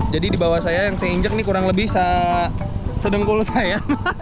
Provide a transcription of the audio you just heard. jadi di bawah saya yang saya injek ini kurang lebih sedengkul saya